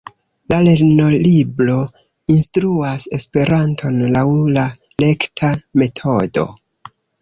La lernolibro instruas Esperanton laŭ la rekta metodo.